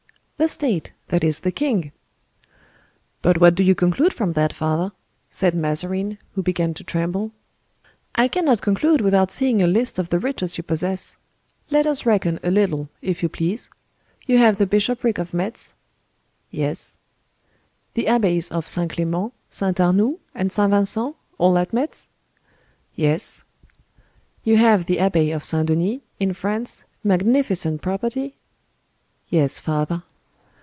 "The state; that is the king." "But what do you conclude from that, father?" said Mazarin, who began to tremble. "I cannot conclude without seeing a list of the riches you possess. Let us reckon a little, if you please. You have the bishopric of Metz?" "Yes." "The abbeys of St. Clement, St. Arnould, and St. Vincent, all at Metz?" "Yes." "You have the abbey of St. Denis, in France, magnificent property?" "Yes, father."